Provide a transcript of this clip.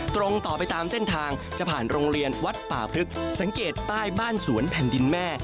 ตรงต่อไปตามเส้นทางจะผ่านโรงเรียนวัดป่าพลึกสังเกตป้ายบ้านสวนแผ่นดินแม่